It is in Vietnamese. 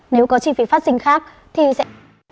nếu có chi phí phát sinh khác thì sẽ